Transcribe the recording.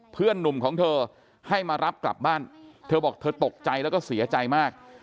เพื่อนหนุ่มของเธอให้มารับกลับบ้านเธอบอกเธอตกใจแล้วก็เสียใจมาก